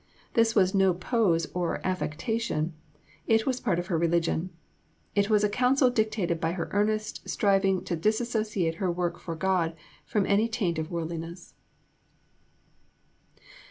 This was no pose or affectation; it was part of her religion. It was a counsel dictated by her earnest striving to dissociate her work for God from any taint of worldliness.